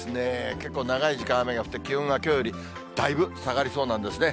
結構長い時間雨が降って、気温がきょうよりだいぶ下がりそうなんですね。